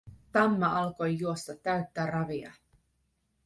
Tamma alkoi juosta täyttä ravia.